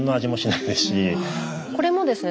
これもですね